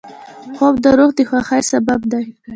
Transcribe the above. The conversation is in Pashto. خوب د روح د خوښۍ سبب دی